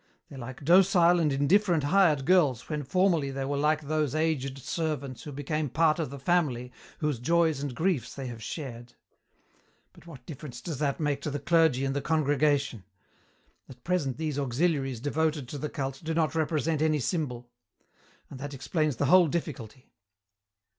They're like docile and indifferent hired girls when formerly they were like those aged servants who became part of the family whose joys and griefs they have shared. But what difference does that make to the clergy and the congregation? At present these auxiliaries devoted to the cult do not represent any symbol. And that explains the whole difficulty.